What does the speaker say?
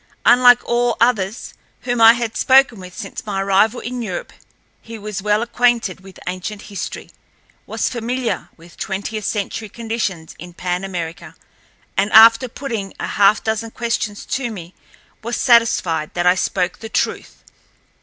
Unlike all others whom I had spoken with since my arrival in Europe, he was well acquainted with ancient history—was familiar with twentieth century conditions in Pan America, and after putting a half dozen questions to me was satisfied that I spoke the truth.